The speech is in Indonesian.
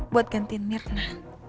buat gantiin mirna